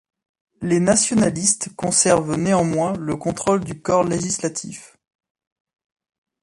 Les nationalistes conservent néanmoins le contrôle du corps législatif.